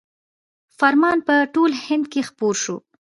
فرمان په ټول هند کې خپور شو.